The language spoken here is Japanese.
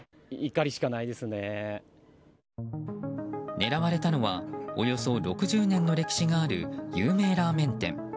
狙われたのはおよそ６０年の歴史がある有名ラーメン店。